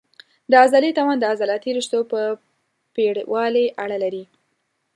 د عضلې توان د عضلاتي رشتو په پېړوالي اړه لري.